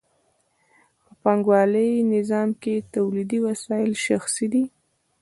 په پانګوالي نظام کې تولیدي وسایل شخصي دي